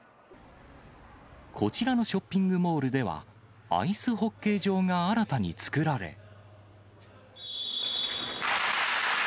こちらのショッピングモールでは、アイスホッケー場が新たに作られ。